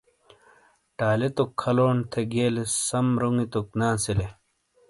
ٹائیلے توک کھَلونڈ تھے گیئلیس سم رونگی توک نے اَسِیلے۔